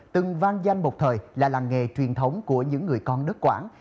từng vang danh một thời là làng nghề truyền thống của những người con đất quảng